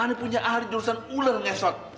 aneh punya ahli jurusan ulur ngesot